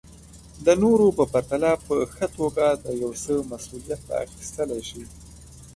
د نورو په پرتله په ښه توګه د يو څه مسوليت اخيستلی شي.